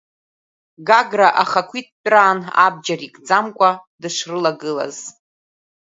Гагра ахақәиҭтәраан абџьар икӡамкәа дышрылагылаз.